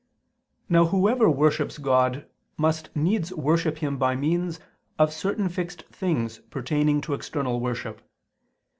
Now whoever worships God must needs worship Him by means of certain fixed things pertaining to external worship.